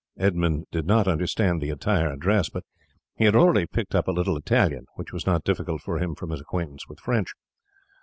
Edmund did not understand the entire address, but he had already picked up a little Italian, which was not difficult for him from his acquaintance with French.